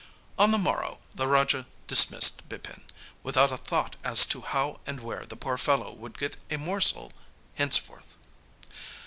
On the morrow the Raja dismissed Bipin without a thought as to how and where the poor fellow would get a morsel henceforth!